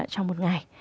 trong một ngày